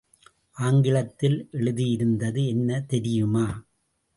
ஆங்கிலத்தில் எழுதியிருந்தது என்ன தெரியுமா?